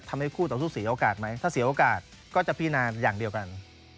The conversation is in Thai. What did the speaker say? ทำให้คู่ต่อสู้เสียโอกาสไหมถ้าเสียโอกาสก็จะพินาอย่างเดียวกัน